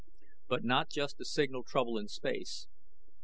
But not just to signal trouble in space.